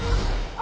あ。